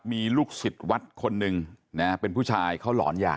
มีลูกศิษย์วัดคนหนึ่งนะเป็นผู้ชายเขาหลอนยา